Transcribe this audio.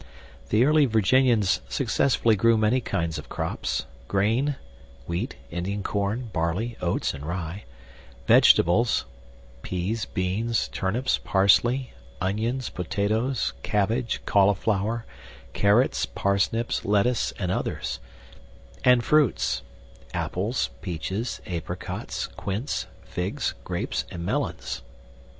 The early Virginians successfully grew many kinds of crops: grains (wheat, Indian corn, barley, oats, and rye), vegetables (peas, beans, turnips, parsley, onions, potatoes, cabbage, cauliflower, carrots, parsnips, lettuce, and others), and fruits (apples, peaches, apricots, quince, figs, grapes, and melons).